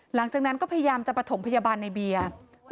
หลังจากนั้นก็พยายามจะประถมพยาบาลในเบียร์